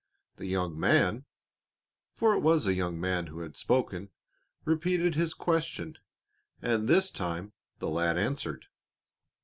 The young man for it was a young man who had spoken repeated his question, and this time the lad answered.